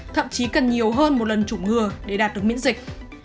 thậm chí cần nhiều hơn một lần chủng ngừa để đạt được miễn dịch